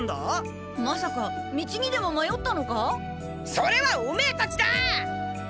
それはオメエたちだ！